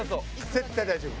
絶対大丈夫。